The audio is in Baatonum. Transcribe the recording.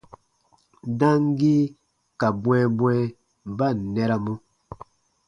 Damgii ka bwɛ̃ɛbwɛ̃ɛ ba ǹ nɛramɔ.